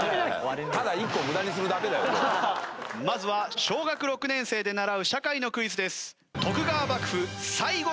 続いては小学５年生で習う社会のクイズです。